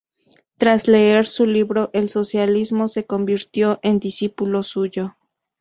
Tras leer su libro "El socialismo", se convirtió en discípulo suyo.